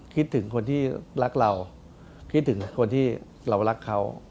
คิดถึงคนที่รักเราคิดถึงคนที่เรารักเขา